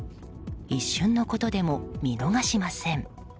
一瞬のことでも見逃しません。